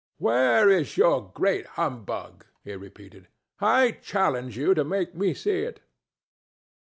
"Where is your great humbug?" he repeated. "I challenge you to make me see it."